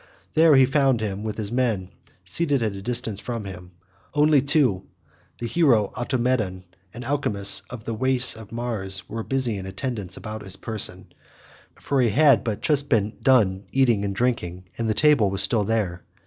There he found him with his men seated at a distance from him: only two, the hero Automedon, and Alcimus of the race of Mars, were busy in attendance about his person, for he had but just done eating and drinking, and the table was still there.